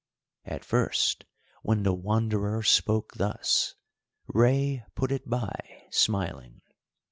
At first, when the Wanderer spoke thus, Rei put it by, smiling.